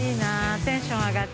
テンション上がっちゃう。